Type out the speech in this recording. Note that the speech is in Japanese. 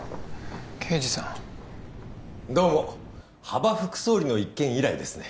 刑事さんどうも羽場副総理の一件以来ですね